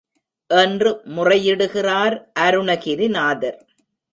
என்று முறையிடுகிறார் அருணகிரிநாதர்.